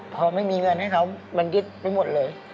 พอไม่มีเงินให้เขามันยึดไปหมดเลย